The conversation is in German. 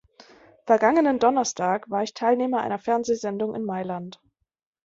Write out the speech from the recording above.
Vergangenen Donnerstag war ich Teilnehmer einer Fernsehsendung in Mailand.